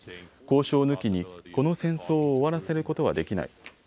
交渉抜きにこの戦争を終わらせることはできない。